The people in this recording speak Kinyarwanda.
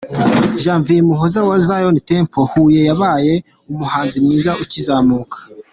Janvier Muhoza wa Zion Temple Huye yabaye umuhanzi mwiza ukizamuka.